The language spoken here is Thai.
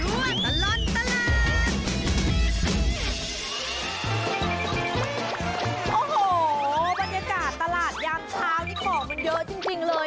โอ้โหบรรยากาศตลาดยามเช้านี่ของมันเยอะจริงเลย